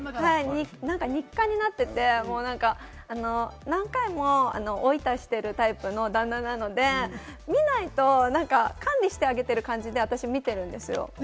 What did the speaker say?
日課になってて、何回もオイタしてるタイプの旦那なので、見ないと、管理してあげてる感じで私、見てるんですよ。